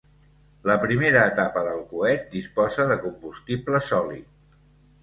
La primera etapa del coet disposa de combustible sòlid.